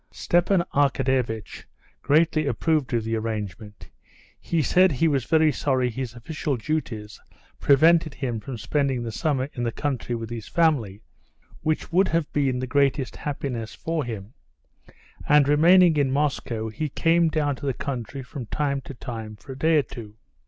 Stepan Arkadyevitch greatly approved of the arrangement. He said he was very sorry his official duties prevented him from spending the summer in the country with his family, which would have been the greatest happiness for him; and remaining in Moscow, he came down to the country from time to time for a day or two.